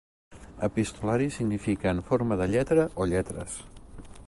"Epistolari" significa "en forma de lletra o lletres".